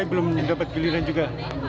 tapi belum mendapat giliran juga